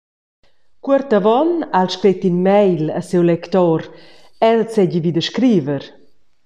Cuort avon ha el scret in mail a siu lector, el seigi vida scriver.